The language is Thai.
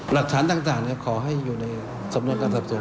หลักฐานต่างขอให้อยู่ในสำนวนการสอบสวน